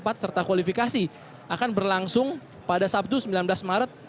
untuk kwalifikasi akan berlangsung pada sabtu sembilan belas maret